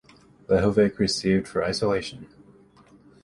Lehovec received for isolation.